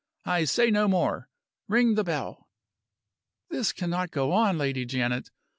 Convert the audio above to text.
I say no more. Ring the bell." "This cannot go on, Lady Janet!